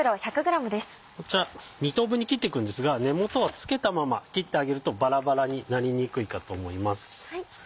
こちら２等分に切っていくんですが根元は付けたまま切ってあげるとバラバラになりにくいかと思います。